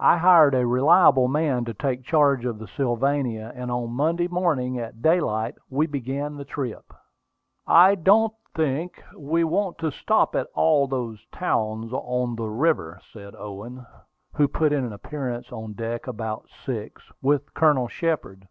I hired a reliable man to take charge of the Sylvania, and on Monday morning, at daylight, we began the trip. "I don't think we want to stop at all these towns on the river," said Owen, who put in an appearance on deck about six, with Colonel Shepard.